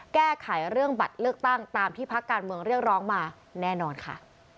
แก้ไขเรื่องบัตรเลือกตั้งตามที่พักการเมืองเรียกร้องมาแน่นอนค่ะ